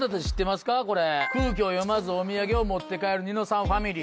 「空気を読まずお土産を持って帰るニノさんファミリー」。